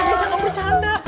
makanya jangan bercanda